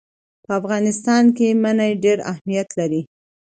په افغانستان کې منی ډېر اهمیت لري.